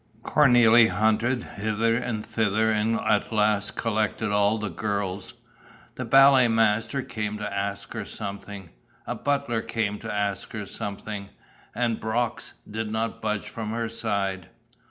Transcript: Cornélie hunted hither and thither and at last collected all the girls. The ballet master came to ask her something. A butler came to ask her something. And Brox did not budge from her side.